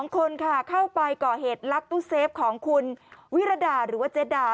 ๒คนค่ะเข้าไปก่อเหตุลักตู้เซฟของคุณวิรดาหรือว่าเจดา